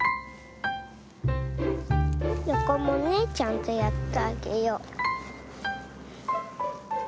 よこもねちゃんとやってあげよう。